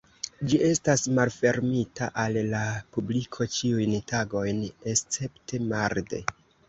Ĝi estas malfermita al la publiko ĉiujn tagojn escepte marde.